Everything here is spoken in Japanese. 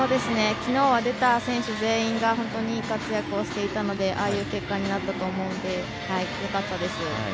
昨日は出た選手全員が本当に活躍をしていたのでああいう結果になったと思うのでよかったです。